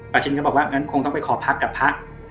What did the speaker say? ชินก็บอกว่างั้นคงต้องไปขอพักกับพระ